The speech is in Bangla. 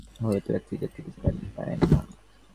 অবিবাহিত ব্যক্তি যাজ্ঞিক হইতে পারিতেন না।